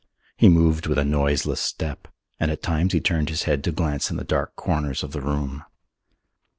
He moved with a noiseless step and at times he turned his head to glance in the dark corners of the room.